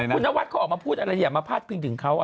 คุณนวัดเขาออกมาพูดอะไรอย่ามาพาดพิงถึงเขา